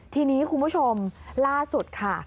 ทีนี้คุณผู้ชมล่าสุดค่ะ